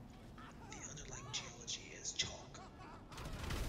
The underlying geology is chalk.